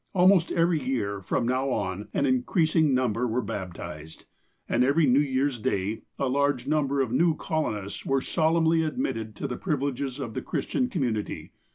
Almost every year, from now on, an increasing number were baptized. And every New Year's Day, a large number of new colonists were solemnly admitted to the privileges of the Christian community.